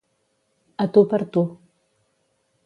A tu per tu.